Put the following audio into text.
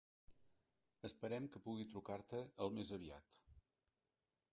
Esperem que pugui trucar-te al més aviat.